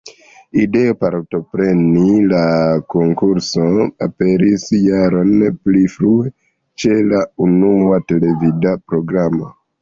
Ideo partopreni la konkurson aperis jaron pli frue, ĉe la unua televida programo.